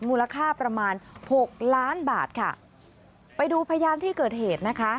มูลค่าประมาณหกล้านบาทค่ะไปดูพยานที่เกิดเหตุนะคะ